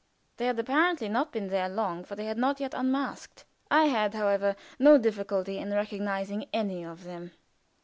They had apparently not been there long, for they had not yet unmasked. I had, however, no difficulty in recognizing any of them.